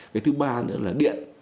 cái thứ ba nữa là điện